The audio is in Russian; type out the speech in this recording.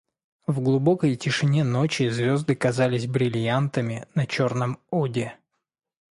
В глубокой тишине ночи звезды казались бриллиантами на черном оде.